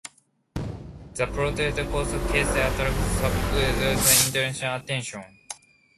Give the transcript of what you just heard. The protracted court case attracted substantial international attention.